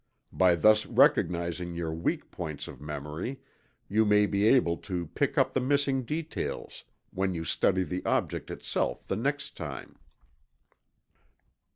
By thus recognizing your weak points of memory, you may be able to pick up the missing details when you study the object itself the next time.